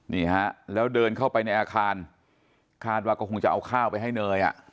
นี่ฮะแล้วเดินเข้าไปในอาคารคาดว่าก็คงจะเอาข้าวไปให้เนยอ่ะ